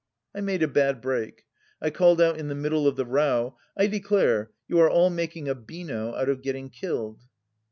I made a bad break. I called out in the middle of the row :" I declare, you are all making a beano out of getting killed."